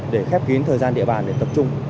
để khép kín thời gian địa bàn để tập trung